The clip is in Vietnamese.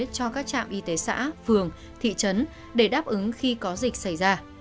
cho các trạm y tế xã phường thị trấn để đáp ứng khi có dịch xảy ra